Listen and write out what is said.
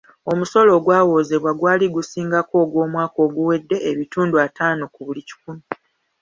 Omusolo ogwawoozebwa gwali gusingako ogw'omwaka oguwedde ebitundu ataano ku buli kikumi.